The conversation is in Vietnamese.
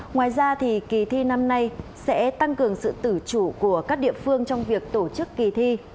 ngoài ra kỳ thi năm nay sẽ tăng cường sự tử chủ của các địa phương trong việc tổ chức kỳ thi